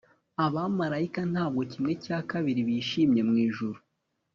Abamarayika ntabwo kimwe cya kabiri bishimye mwijuru